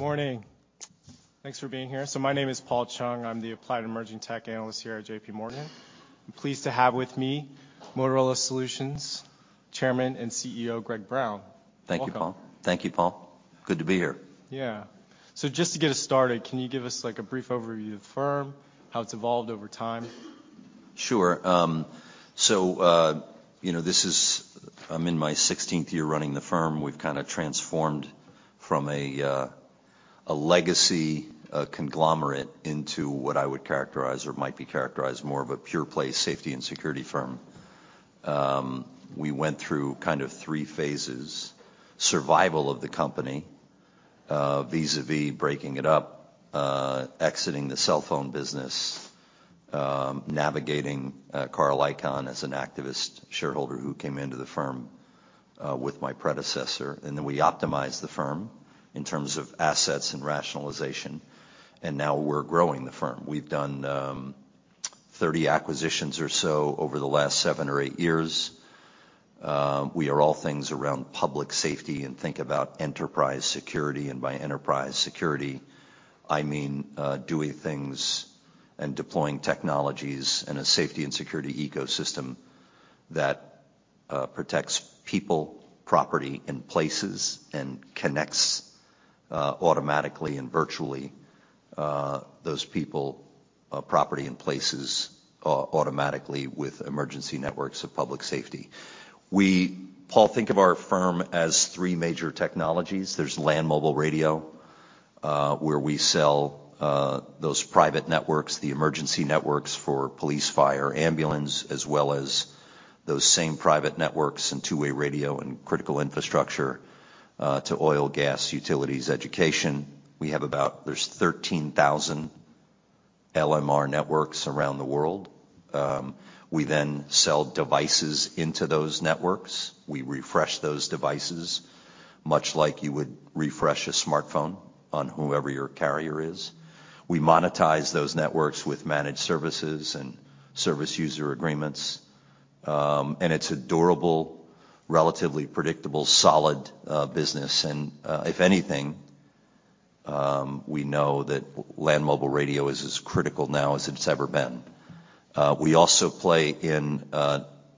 Morning. Thanks for being here. My name is Paul Chung. I'm the applied emerging tech analyst here at JPMorgan. I'm pleased to have with me Motorola Solutions Chairman and CEO, Greg Brown. Thank you, Paul. Welcome. Thank you, Paul. Good to be here. Yeah. Just to get us started, can you give us, like, a brief overview of the firm, how it's evolved over time? Sure. You know, I'm in my 16th year running the firm. We've kind of transformed from a legacy conglomerate into what I would characterize or might be characterized more of a pure play safety and security firm. We went through kind of three phases. Survival of the company, vis-a-vis breaking it up, exiting the cell phone business, navigating Carl Icahn as an activist shareholder who came into the firm with my predecessor. We optimized the firm in terms of assets and rationalization, and now we're growing the firm. We've done 30 acquisitions or so over the last seven or eight years. We are all things around public safety and think about enterprise security. By enterprise security, I mean, doing things and deploying technologies in a safety and security ecosystem that protects people, property and places, and connects automatically and virtually those people, property and places automatically with emergency networks of public safety. We, Paul, think of our firm as three major technologies. There's land mobile radio, where we sell those private networks, the emergency networks for police, fire, ambulance, as well as those same private networks and two-way radio and critical infrastructure to oil, gas, utilities, education. There's 13,000 LMR networks around the world. We sell devices into those networks. We refresh those devices, much like you would refresh a smartphone on whomever your carrier is. We monetize those networks with managed services and service user agreements. It's a durable, relatively predictable, solid business. If anything, we know that land mobile radio is as critical now as it's ever been. We also play in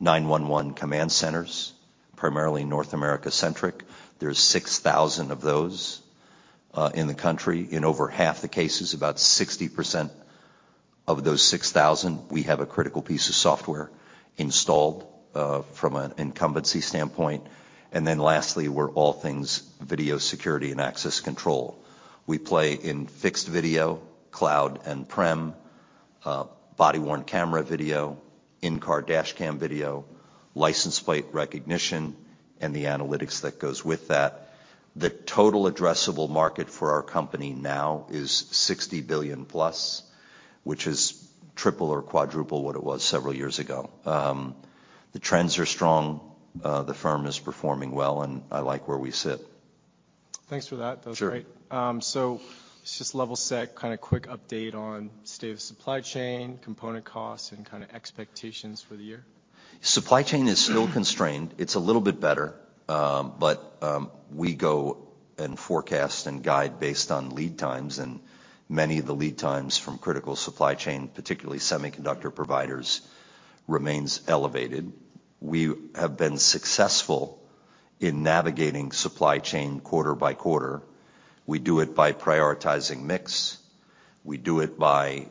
911 command centers, primarily North America-centric. There's 6,000 of those in the country. In over half the cases, about 60% of those 6,000, we have a critical piece of software installed from an incumbency standpoint. Lastly, we're all things video security & access control. We play in fixed video, cloud and prem, body-worn camera video, in-car dashcam video, license plate recognition, and the analytics that goes with that. The total addressable market for our company now is $60 billion+, which is triple or quadruple what it was several years ago. The trends are strong. The firm is performing well, and I like where we sit. Thanks for that. Sure. That was great. Just level set, kind of quick update on state of supply chain, component costs and kind of expectations for the year. Supply chain is still constrained. It's a little bit better. We go and forecast and guide based on lead times, and many of the lead times from critical supply chain, particularly semiconductor providers, remains elevated. We have been successful in navigating supply chain quarter by quarter. We do it by prioritizing mix, we do it by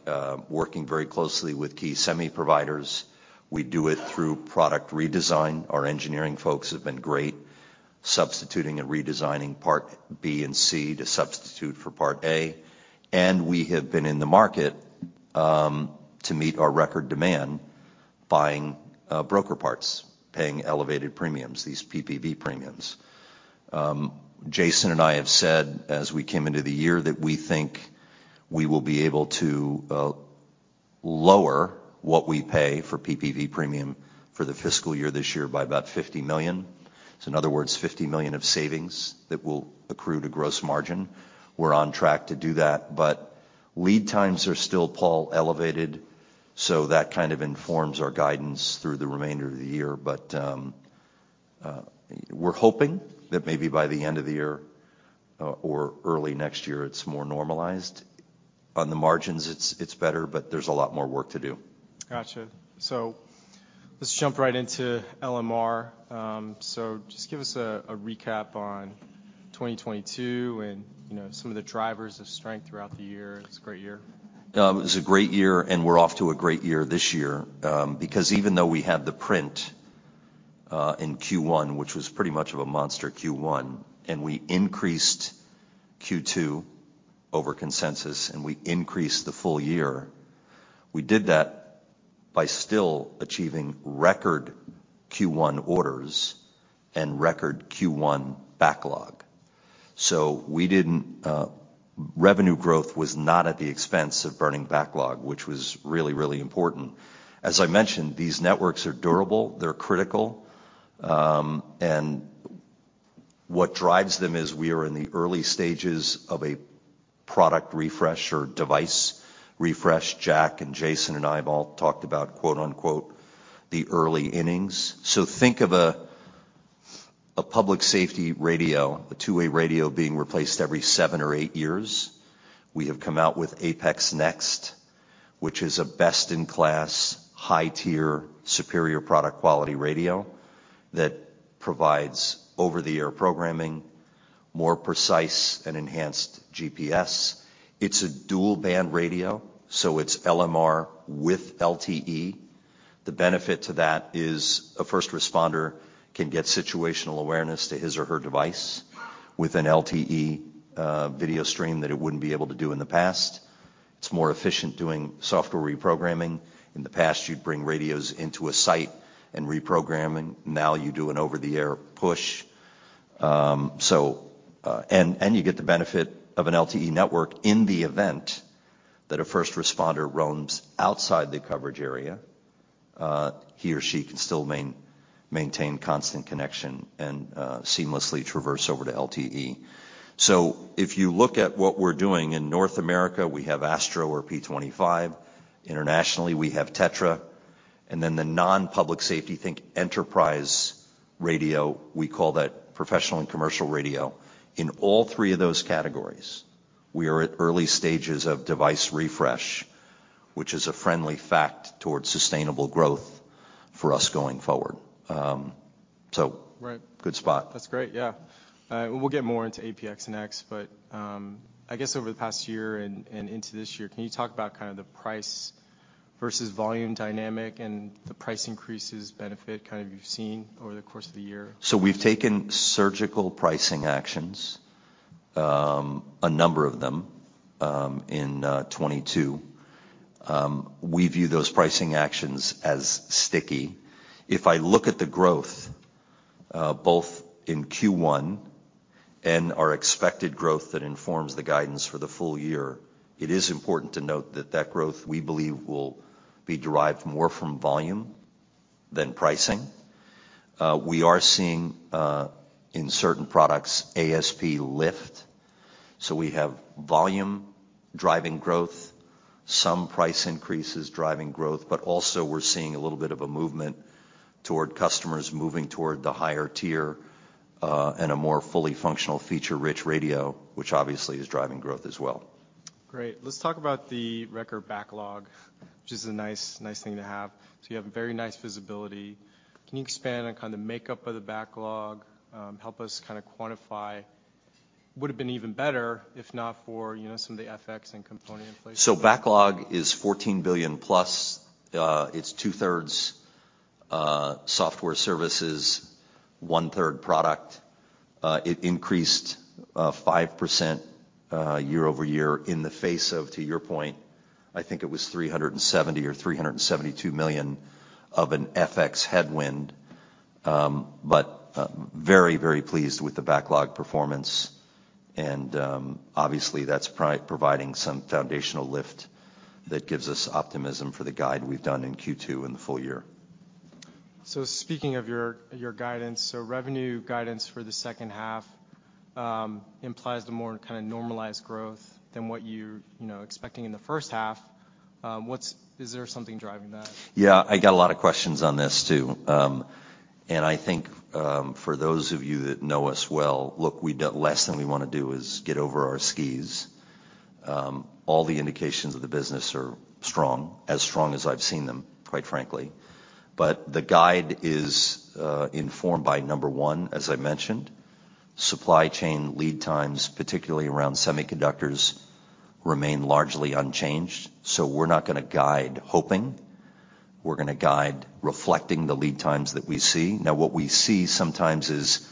working very closely with key semi providers. We do it through product redesign. Our engineering folks have been great substituting and redesigning part B and C to substitute for part A. We have been in the market to meet our record demand buying broker parts, paying elevated premiums, these PPV premiums. Jason and I have said as we came into the year that we think we will be able to lower what we pay for PPV premium for the fiscal year this year by about $50 million. In other words, $50 million of savings that will accrue to gross margin. We're on track to do that. Lead times are still, Paul, elevated, so that kind of informs our guidance through the remainder of the year. We're hoping that maybe by the end of the year, or early next year, it's more normalized. On the margins it's better, but there's a lot more work to do. Gotcha. Let's jump right into LMR. Just give us a recap on 2022 and, you know, some of the drivers of strength throughout the year. It's a great year. It's a great year, and we're off to a great year this year. Even though we had the print, in Q1, which was pretty much of a monster Q1, and we increased Q2 over consensus, and we increased the full year, we did that by still achieving record Q1 orders and record Q1 backlog. We didn't. Revenue growth was not at the expense of burning backlog, which was really, really important. As I mentioned, these networks are durable, they're critical. What drives them is we are in the early stages of a product refresh or device refresh, Jack and Jason and I have all talked about, quote-unquote, "The early innings." Think of a public safety radio, a two-way radio being replaced every seven or eight years. We have come out with APX NEXT, which is a best-in-class, high-tier, superior product quality radio that provides over-the-air programming, more precise and enhanced GPS. It's a dual-band radio, so it's LMR with LTE. The benefit to that is a first responder can get situational awareness to his or her device with an LTE video stream that it wouldn't be able to do in the past. It's more efficient doing software reprogramming. In the past, you'd bring radios into a site and reprogram, and now you do an over-the-air push, and you get the benefit of an LTE network in the event that a first responder roams outside the coverage area, he or she can still maintain constant connection and seamlessly traverse over to LTE. If you look at what we're doing in North America, we have ASTRO or P25. Internationally, we have TETRA. The non-public safety, think enterprise radio, we call that professional and commercial radio. In all three of those categories, we are at early stages of device refresh, which is a friendly fact towards sustainable growth for us going forward. Right. So, good spot. That's great. Yeah. We'll get more into APX NEXT. I guess over the past year and into this year, can you talk about kind of the price versus volume dynamic and the price increases benefit kind of you've seen over the course of the year? We've taken surgical pricing actions, a number of them, in 2022. We view those pricing actions as sticky. If I look at the growth, both in Q1 and our expected growth that informs the guidance for the full year, it is important to note that that growth, we believe, will be derived more from volume than pricing. We are seeing, in certain products, ASP lift. We have volume driving growth, some price increases driving growth, but also we're seeing a little bit of a movement toward customers moving toward the higher tier, and a more fully functional feature-rich radio, which obviously is driving growth as well. Great. Let's talk about the record backlog, which is a nice thing to have. You have a very nice visibility. Can you expand on kind of the makeup of the backlog, help us kind of quantify would've been even better if not for, you know, some of the FX and component inflation? Backlog is $14 billion+. It's 2/3 software services, 1/3 product. It increased 5% year-over-year in the face of, to your point, I think it was $370 million or $372 million of an FX headwind. Very, very pleased with the backlog performance, and obviously that's providing some foundational lift that gives us optimism for the guide we've done in Q2 and the full year. Speaking of your guidance, so revenue guidance for the second half implies the more kind of normalized growth than what you're, you know, expecting in the first half. Is there something driving that? Yeah. I get a lot of questions on this too. I think, for those of you that know us well, look, less than we wanna do is get over our skis. All the indications of the business are strong, as strong as I've seen them, quite frankly. The guide is informed by, number one, as I mentioned, supply chain lead times, particularly around semiconductors, remain largely unchanged, so we're not gonna guide hoping. We're gonna guide reflecting the lead times that we see. Now what we see sometimes is,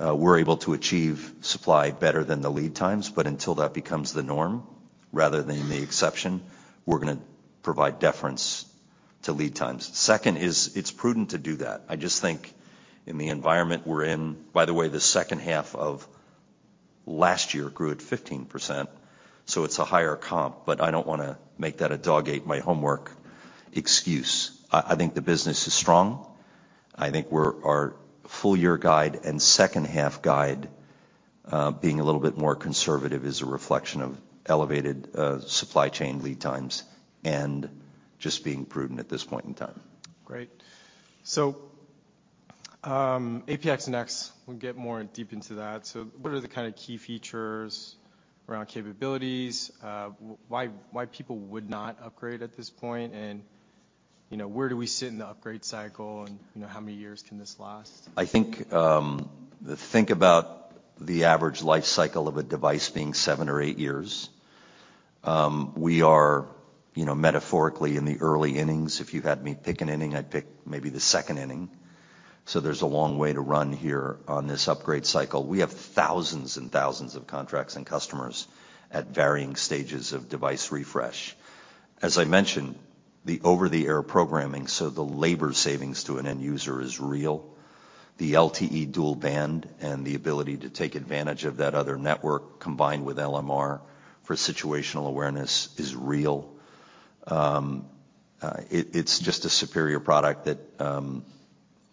we're able to achieve supply better than the lead times, but until that becomes the norm rather than the exception, we're gonna provide deference to lead times. Second is it's prudent to do that. I just think in the environment we're in. By the way, the second half of last year grew at 15%, so it's a higher comp, but I don't wanna make that a dog ate my homework excuse. I think the business is strong. I think our full year guide and second half guide, being a little bit more conservative is a reflection of elevated supply chain lead times and just being prudent at this point in time. Great. APX NEXT, we'll get more deep into that. What are the kind of key features around capabilities? Why people would not upgrade at this point? You know, where do we sit in the upgrade cycle, and, you know, how many years can this last? I think about the average life cycle of a device being seven or eight years. We are, you know, metaphorically in the early innings. If you had me pick an inning, I'd pick maybe the second inning. There's a long way to run here on this upgrade cycle. We have thousands and thousands of contracts and customers at varying stages of device refresh. As I mentioned, the over-the-air programming, the labor savings to an end user is real. The LTE dual band and the ability to take advantage of that other network combined with LMR for situational awareness is real. It's just a superior product that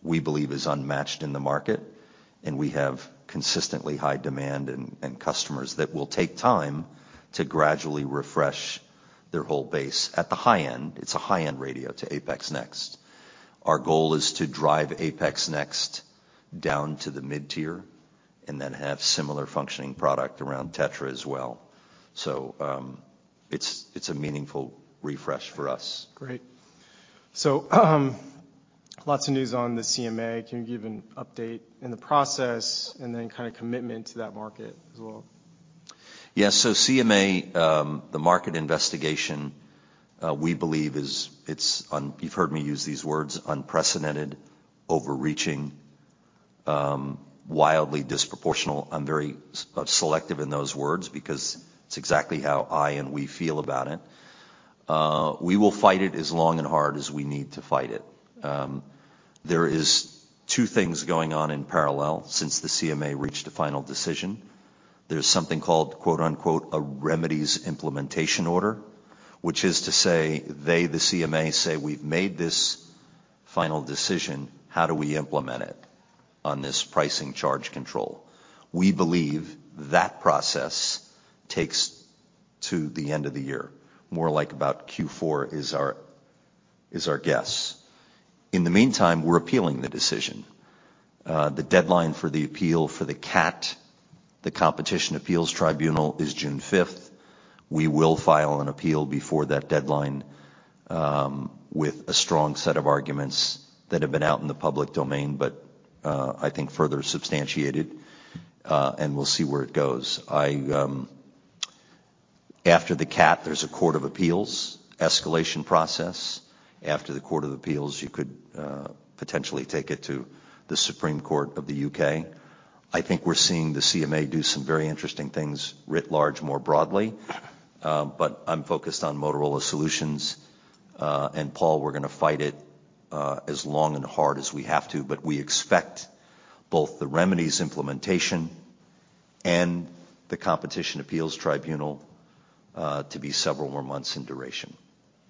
we believe is unmatched in the market, and we have consistently high demand and customers that will take time to gradually refresh their whole base at the high end. It's a high-end radio to APX NEXT. So, our goal is to drive APX NEXT down to the mid-tier, and then have similar functioning product around TETRA as well. It's a meaningful refresh for us. Great. So, lots of news on the CMA. Can you give an update in the process and then kind of commitment to that market as well? CMA, the market investigation, we believe, you've heard me use these words unprecedented, overreaching, wildly disproportional. I'm very selective in those words because it's exactly how I and we feel about it. We will fight it as long and hard as we need to fight it. There is two things going on in parallel since the CMA reached a final decision. There's something called, quote-unquote, "A remedies implementation order," which is to say they, the CMA, say, "We've made this final decision. How do we implement it on this pricing charge control?" We believe that process takes to the end of the year, more like about Q4 is our guess. In the meantime, we're appealing the decision. The deadline for the appeal for the CAT, the Competition Appeal Tribunal, is June 5th. We will file an appeal before that deadline, with a strong set of arguments that have been out in the public domain, but I think further substantiated, and we'll see where it goes. I. After the CAT, there's a Court of Appeal escalation process. After the Court of Appeal, you could potentially take it to the Supreme Court of the U.K. I think we're seeing the CMA do some very interesting things writ large more broadly. I'm focused on Motorola Solutions. Paul, we're gonna fight it as long and hard as we have to, but we expect both the remedies implementation and the Competition Appeal Tribunal to be several more months in duration.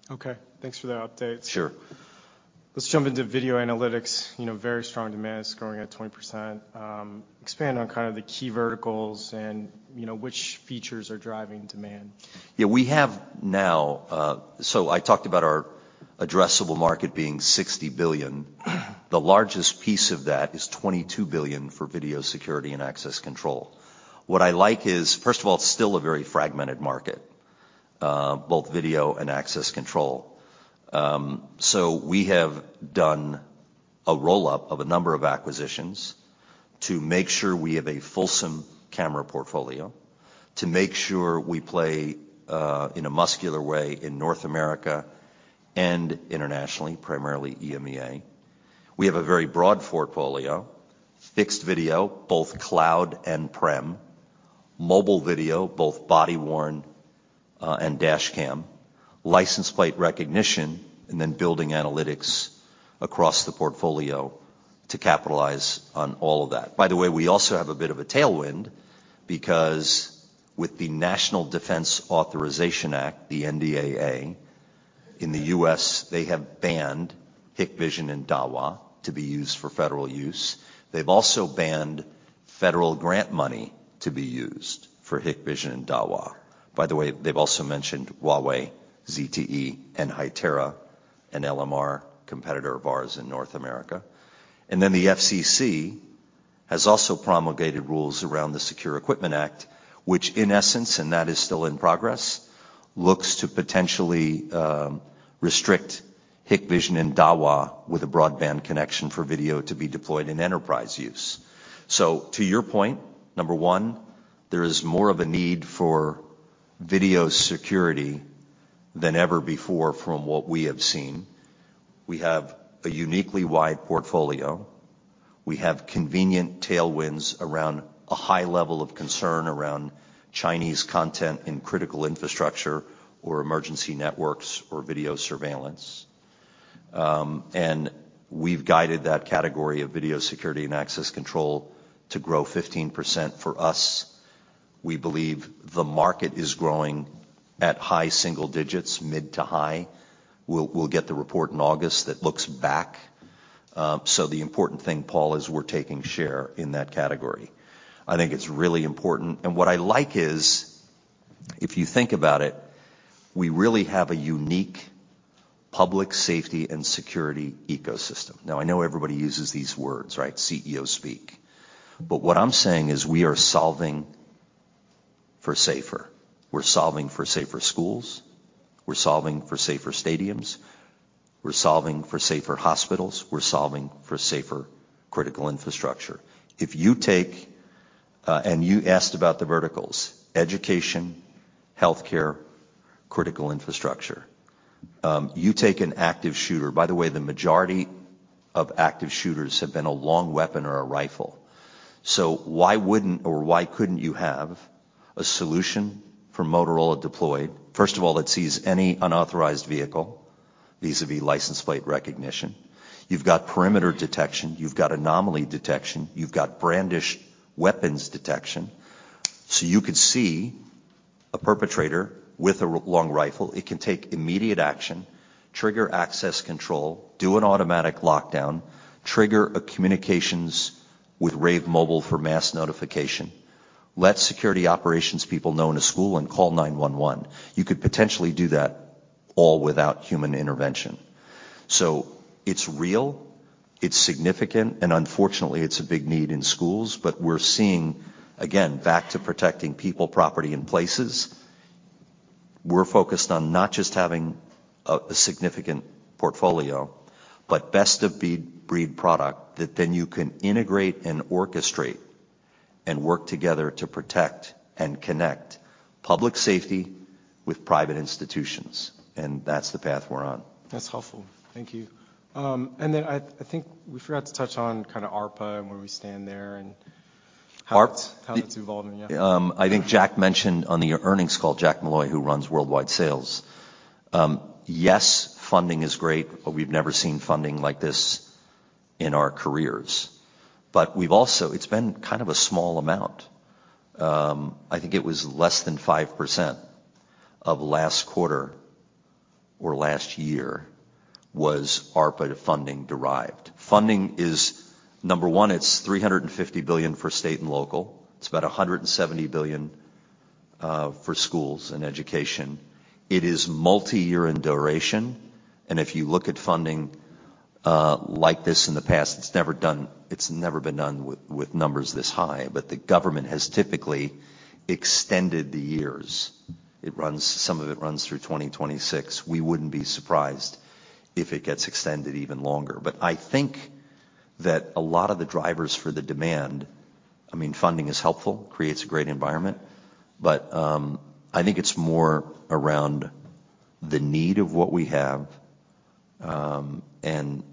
Okay. Thanks for that update. Sure. Let's jump into video analytics. You know, very strong demand. It's growing at 20%. Expand on kind of the key verticals and, you know, which features are driving demand. Yeah. We have now, I talked about our addressable market being $60 billion. The largest piece of that is $22 billion for video security & access control. What I like is, first of all, it's still a very fragmented market, both video and access control. We have done a roll-up of a number of acquisitions to make sure we have a fulsome camera portfolio, to make sure we play in a muscular way in North America and internationally, primarily EMEA. We have a very broad portfolio: fixed video, both cloud and prem, mobile video, both body-worn and dashcam, license plate recognition, and then building analytics across the portfolio to capitalize on all of that. We also have a bit of a tailwind because with the National Defense Authorization Act, the NDAA, in the U.S., they have banned Hikvision and Dahua to be used for federal use. They've also banned federal grant money to be used for Hikvision and Dahua. By the way, they've also mentioned Huawei, ZTE, and Hytera, an LMR competitor of ours in North America. The FCC has also promulgated rules around the Secure Equipment Act, which in essence, and that is still in progress, looks to potentially restrict Hikvision and Dahua with a broadband connection for video to be deployed in enterprise use. To your point, number one, there is more of a need for video security than ever before from what we have seen. We have a uniquely wide portfolio. We have convenient tailwinds around a high level of concern around Chinese content in critical infrastructure or emergency networks or video surveillance. We've guided that category of video security & access control to grow 15% for us. We believe the market is growing at high single digits, mid to high. We'll get the report in August that looks back. The important thing, Paul, is we're taking share in that category. I think it's really important. What I like is, if you think about it, we really have a unique public safety and security ecosystem. Now, I know everybody uses these words, right? CEO speak. What I'm saying is we are solving for safer. We're solving for safer schools. We're solving for safer stadiums. We're solving for safer hospitals. We're solving for safer critical infrastructure. If you take, and you asked about the verticals: education, healthcare, critical infrastructure. You take an active shooter. By the way, the majority of active shooters have been a long weapon or a rifle. Why wouldn't or why couldn't you have a solution from Motorola deployed, first of all, that sees any unauthorized vehicle, vis-à-vis license plate recognition. You've got perimeter detection, you've got anomaly detection, you've got brandished weapons detection. You could see a perpetrator with a long rifle. It can take immediate action, trigger access control, do an automatic lockdown, trigger a communications with Rave Mobile for mass notification, let security operations people know in a school, and call 911. You could potentially do that all without human intervention. It's real, it's significant, and unfortunately, it's a big need in schools. We're seeing, again, back to protecting people, property, and places, we're focused on not just having a significant portfolio, but best of breed product that then you can integrate and orchestrate and work together to protect and connect public safety with private institutions. That's the path we're on. That's helpful. Thank you. Then I think we forgot to touch on kind of ARPA and where we stand there and how it's, how it's evolving. Yeah. I think Jack mentioned on the earnings call, Jack Molloy, who runs worldwide sales. Yes, funding is great, but we've never seen funding like this in our careers. We've also It's been kind of a small amount. I think it was less than 5% of last quarter or last year was ARPA funding derived. Funding is, number one, it's $350 billion for state and local. It's about $170 billion for schools and education. It is multi-year in duration, and if you look at funding like this in the past, it's never been done with numbers this high. The government has typically extended the years. It runs, some of it runs through 2026. We wouldn't be surprised if it gets extended even longer. I think that a lot of the drivers for the demand, I mean, funding is helpful, creates a great environment, but, I think it's more around the need of what we have, and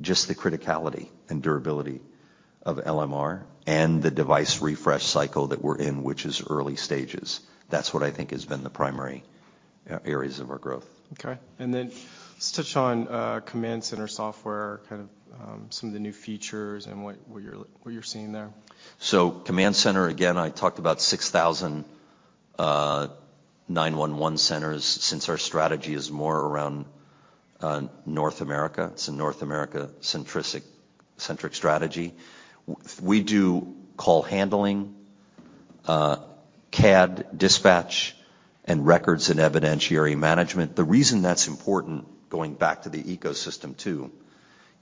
just the criticality and durability of LMR and the device refresh cycle that we're in, which is early stages. That's what I think has been the primary areas of our growth. Okay. Let's touch on, command center software, kind of, some of the new features and what you're seeing there. Command center, again, I talked about 6,000, 911 centers since our strategy is more around North America. It's a North America centric strategy. We do call handling, CAD dispatch, and records and evidentiary management. The reason that's important, going back to the ecosystem too,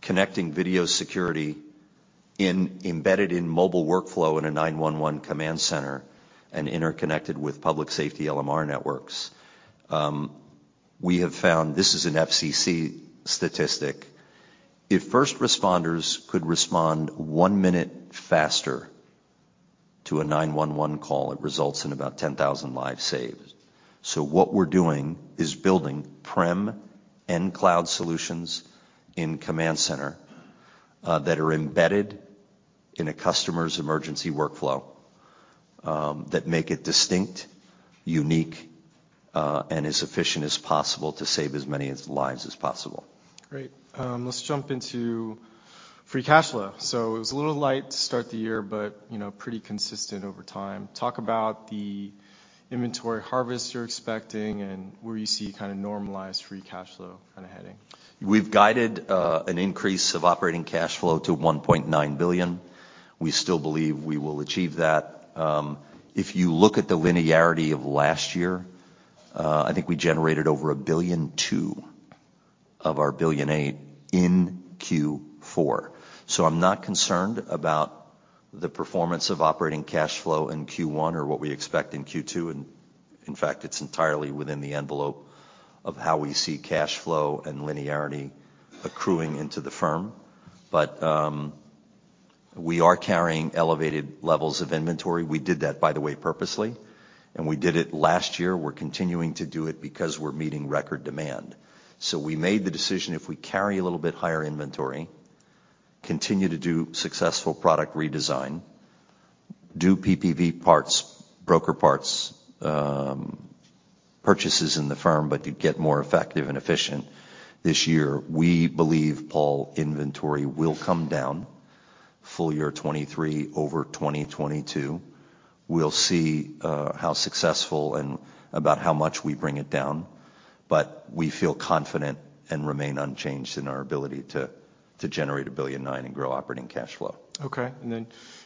connecting video security in, embedded in mobile workflow in a 911 command center and interconnected with public safety LMR networks. We have found, this is an FCC statistic, if first responders could respond one minute faster to a 911 call, it results in about 10,000 lives saved. What we're doing is building prem and cloud solutions in command center, that are embedded in a customer's emergency workflow, that make it distinct, unique, and as efficient as possible to save as many lives as possible. Great. Let's jump into free cash flow. It was a little light to start the year, but, you know, pretty consistent over time. Talk about the inventory harvest you're expecting and where you see kinda normalized free cash flow kinda heading. We've guided an increase of operating cash flow to $1.9 billion. We still believe we will achieve that. If you look at the linearity of last year, I think we generated over $1.2 billion of our $1.8 billion in Q4. I'm not concerned about the performance of operating cash flow in Q1 or what we expect in Q2, and in fact, it's entirely within the envelope of how we see cash flow and linearity accruing into the firm. We are carrying elevated levels of inventory. We did that, by the way, purposely, and we did it last year. We're continuing to do it because we're meeting record demand. We made the decision, if we carry a little bit higher inventory, continue to do successful product redesign, do PPV parts, broker parts, purchases in the firm, but to get more effective and efficient this year. We believe, Paul, inventory will come down full year 2023 over 2022. We'll see how successful and about how much we bring it down, but we feel confident and remain unchanged in our ability to generate $1.9 billion and grow operating cash flow. Okay.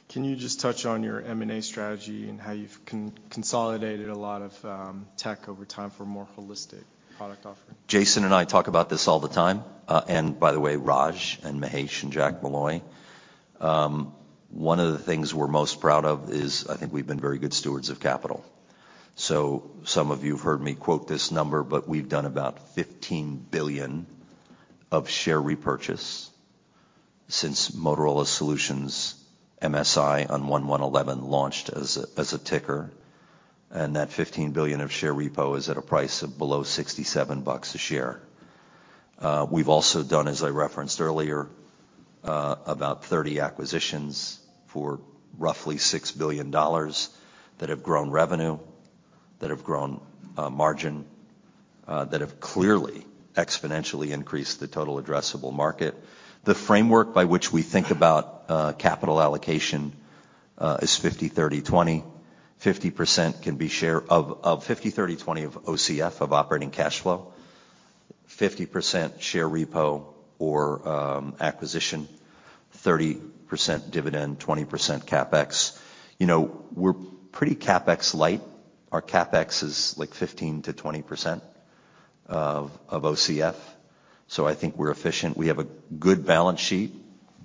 Can you just touch on your M&A strategy and how you've consolidated a lot of tech over time for a more holistic product offering? Jason and I talk about this all the time, and by the way, Raj and Mahesh and Jack Molloy. One of the things we're most proud of is I think we've been very good stewards of capital. Some of you have heard me quote this number, but we've done about $15 billion of share repurchase since Motorola Solutions, MSI, on 01/01/2011 launched as a, as a ticker, and that $15 billion of share repo is at a price of below $67 a share. We've also done, as I referenced earlier, about 30 acquisitions for roughly $6 billion that have grown revenue, that have grown margin. That have clearly exponentially increased the total addressable market. The framework by which we think about capital allocation is 50%, 30%, 20%. 50% can be share of 50%, 30%, 20% of OCF, of operating cash flow. 50% share repo or acquisition, 30% dividend, 20% CapEx. You know, we're pretty CapEx light. Our CapEx is, like, 15%-20% of OCF, so I think we're efficient. We have a good balance sheet,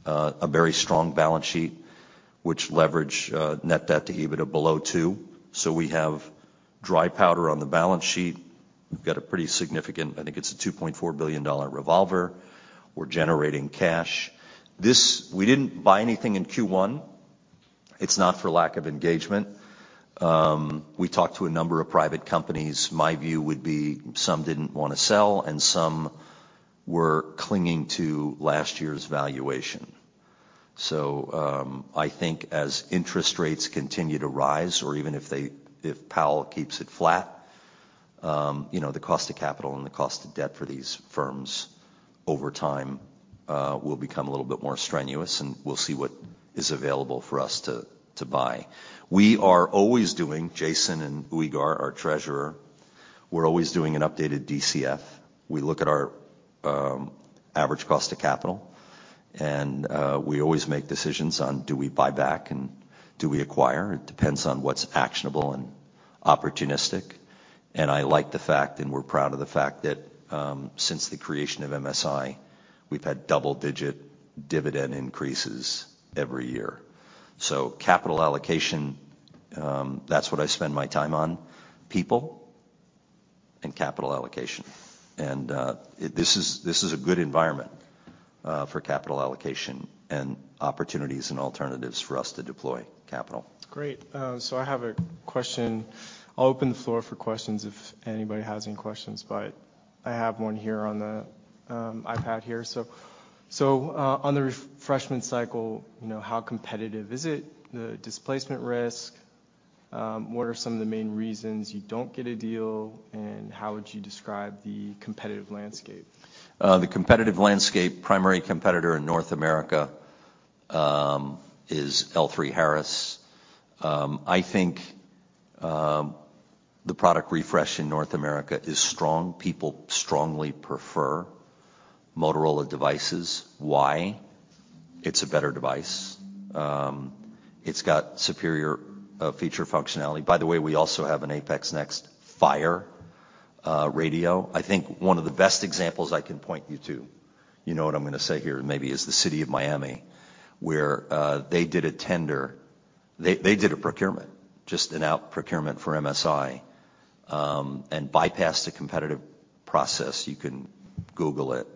a very strong balance sheet, which leverage, net debt to EBITDA below 2. We have dry powder on the balance sheet. We've got a pretty significant, I think it's a $2.4 billion revolver. We're generating cash. We didn't buy anything in Q1. It's not for lack of engagement. We talked to a number of private companies. My view would be some didn't wanna sell, and some were clinging to last year's valuation. I think as interest rates continue to rise or even if they, if Powell keeps it flat, you know, the cost of capital and the cost of debt for these firms over time, will become a little bit more strenuous, and we'll see what is available for us to buy. We are always doing, Jason and Uygar, our treasurer, we're always doing an updated DCF. We look at our average cost of capital, and we always make decisions on do we buy back and do we acquire. It depends on what's actionable and opportunistic. I like the fact, and we're proud of the fact that since the creation of MSI, we've had double digit dividend increases every year. Capital allocation, that's what I spend my time on, people and capital allocation. This is a good environment for capital allocation and opportunities and alternatives for us to deploy capital. Great. I have a question. I'll open the floor for questions if anybody has any questions, but I have one here on the iPad here. On the refreshment cycle, you know, how competitive is it? The displacement risk, what are some of the main reasons you don't get a deal, and how would you describe the competitive landscape? The competitive landscape, primary competitor in North America, is L3Harris. I think the product refresh in North America is strong. People strongly prefer Motorola devices. Why? It's a better device. It's got superior feature functionality. By the way, we also have an APX NEXT Fire radio. I think one of the best examples I can point you to, you know what I'm gonna say here maybe, is the city of Miami, where they did a tender. They did a procurement, just an out procurement for MSI, and bypassed the competitive process. You can Google it.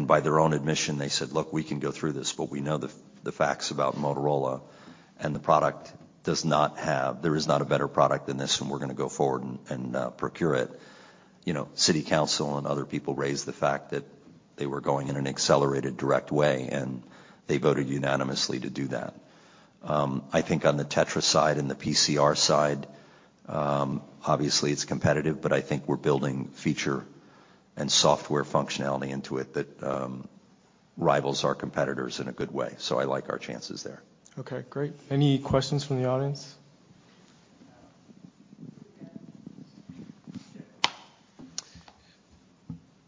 By their own admission, they said, look, we can go through this, but we know the facts about Motorola, and the product does not have, there is not a better product than this, and we're gonna go forward and procure it. You know, city council and other people raised the fact that they were going in an accelerated direct way, and they voted unanimously to do that. I think on the TETRA side and the PCR side, obviously, it's competitive, but I think we're building feature and software functionality into it that rivals our competitors in a good way. I like our chances there. Okay. Great. Any questions from the audience?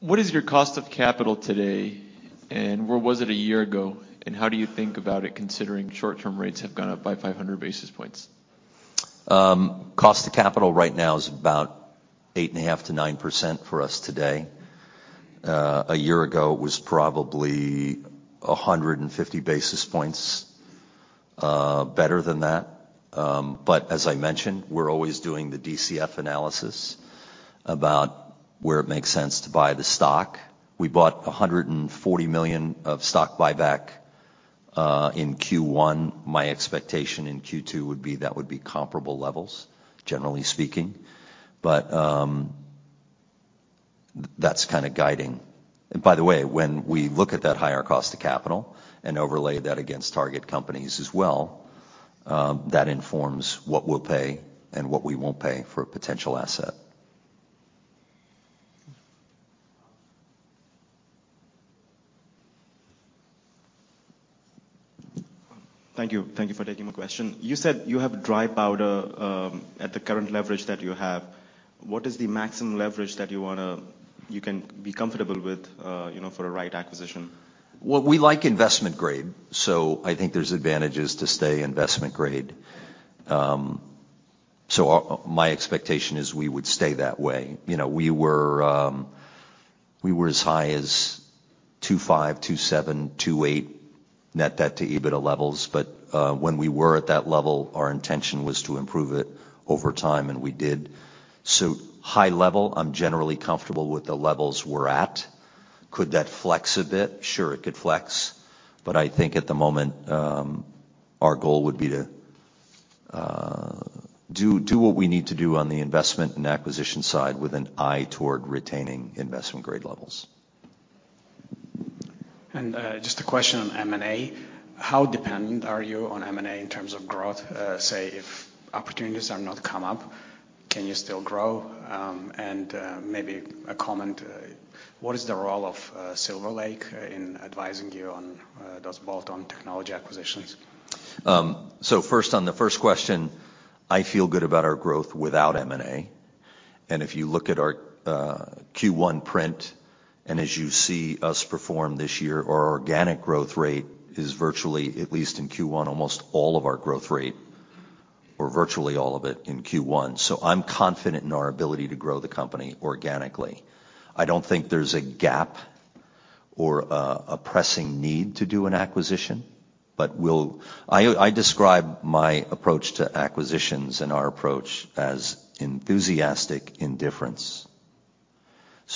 What is your cost of capital today, and where was it a year ago, and how do you think about it considering short-term rates have gone up by 500 basis points? Cost of capital right now is about 8.5%-9% for us today. A year ago, it was probably 150 basis points better than that. As I mentioned, we're always doing the DCF analysis about where it makes sense to buy the stock. We bought $140 million of stock buyback in Q1. My expectation in Q2 would be that would be comparable levels, generally speaking. That's kinda guiding. By the way, when we look at that higher cost of capital and overlay that against target companies as well, that informs what we'll pay and what we won't pay for a potential asset. Thank you. Thank you for taking my question. You said you have dry powder, at the current leverage that you have. What is the maximum leverage that you can be comfortable with, you know, for a right acquisition? Well, we like investment grade. I think there's advantages to stay investment grade. My expectation is we would stay that way. You know, we were as high as 2.5, 2.7, 2.8 net debt to EBITDA levels. When we were at that level, our intention was to improve it over time, and we did. High level, I'm generally comfortable with the levels we're at. Could that flex a bit? Sure, it could flex. I think at the moment, our goal would be to do what we need to do on the investment and acquisition side with an eye toward retaining investment grade levels. Just a question on M&A. How dependent are you on M&A in terms of growth? Say, if opportunities have not come up, can you still grow? Maybe a comment, what is the role of Silver Lake in advising you on those bolt-on technology acquisitions? First, on the first question, I feel good about our growth without M&A. If you look at our Q1 print, and as you see us perform this year, our organic growth rate is virtually, at least in Q1, almost all of our growth rate, or virtually all of it in Q1. I'm confident in our ability to grow the company organically. I don't think there's a gap or a pressing need to do an acquisition, but we'll, I describe my approach to acquisitions and our approach as enthusiastic indifference.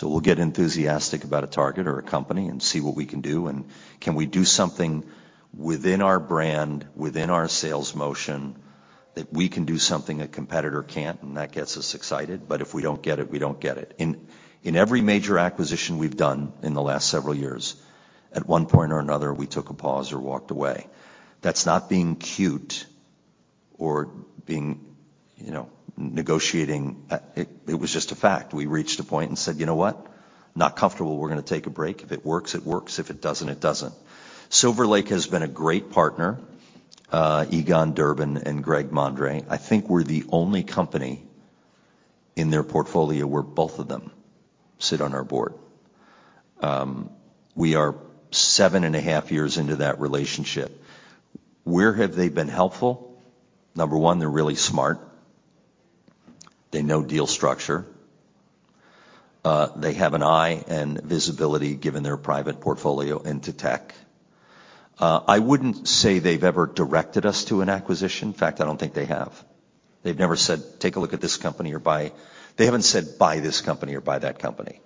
We'll get enthusiastic about a target or a company and see what we can do, and can we do something within our brand, within our sales motion, that we can do something a competitor can't, and that gets us excited. If we don't get it, we don't get it. In every major acquisition we've done in the last several years, at one point or another, we took a pause or walked away. That's not being cute or being, you know, negotiating. It was just a fact. We reached a point and said, "You know what? Not comfortable. We're gonna take a break. If it works, it works. If it doesn't, it doesn't." Silver Lake has been a great partner. Egon Durban and Greg Mondre. I think we're the only company in their portfolio where both of them sit on our board. We are seven and a half years into that relationship. Where have they been helpful? Number one, they're really smart. They know deal structure. They have an eye and visibility, given their private portfolio into tech. I wouldn't say they've ever directed us to an acquisition. In fact, I don't think they have. They've never said, "Take a look at this company or buy." They haven't said, "Buy this company or buy that company."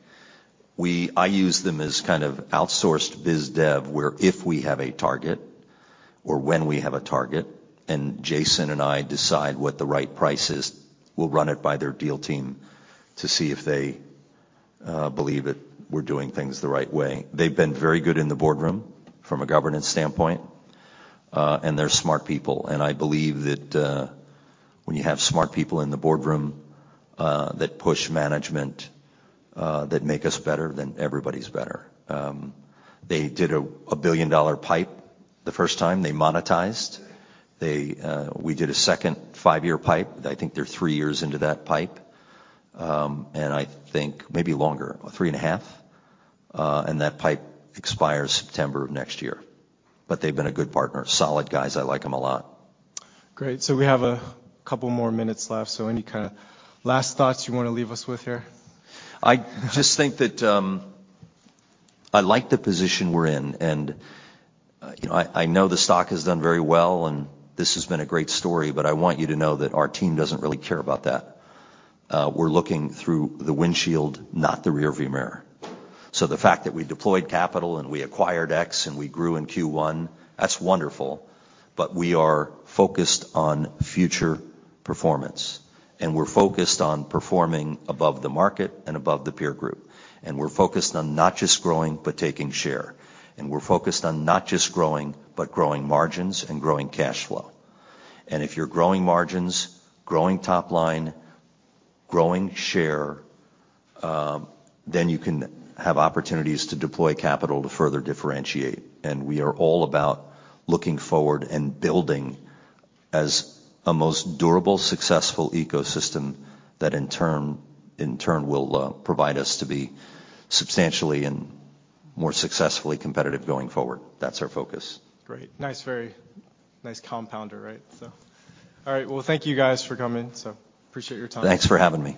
I use them as kind of outsourced biz dev, where if we have a target or when we have a target, Jason and I decide what the right price is, we'll run it by their deal team to see if they believe that we're doing things the right way. They've been very good in the boardroom from a governance standpoint, and they're smart people. I believe that when you have smart people in the boardroom, that push management, that make us better, then everybody's better. They did a billion-dollar PIPE the first time they monetized. We did a second five-year PIPE. I think they're three years into that PIPE. I think maybe longer, three and a half. That PIPE expires September of next year. They've been a good partner. Solid guys. I like them a lot. Great. We have a couple more minutes left, so any kinda last thoughts you wanna leave us with here? I just think that, I like the position we're in, and, you know, I know the stock has done very well, and this has been a great story, but I want you to know that our team doesn't really care about that. We're looking through the windshield, not the rear view mirror. The fact that we deployed capital and we acquired X and we grew in Q1, that's wonderful, but we are focused on future performance, and we're focused on performing above the market and above the peer group. We're focused on not just growing, but taking share. We're focused on not just growing, but growing margins and growing cash flow. If you're growing margins, growing top line, growing share, then you can have opportunities to deploy capital to further differentiate. We are all about looking forward and building as a most durable, successful ecosystem that in turn will provide us to be substantially and more successfully competitive going forward. That's our focus. Great. Nice. Very nice compounder, right? All right. Well, thank you guys for coming. Appreciate your time. Thanks for having me.